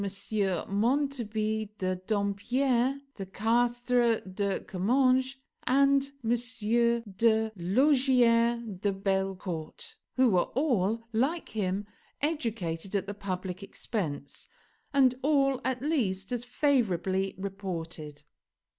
Montarby de Dampierre, de Castres, de Comminges, and de Laugier de Bellecourt, who were all, like him, educated at the public expense, and all, at least, as favorably reported.